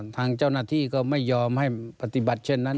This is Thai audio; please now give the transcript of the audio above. ทางเจ้าหน้าที่ก็ไม่ยอมให้ปฏิบัติเช่นนั้น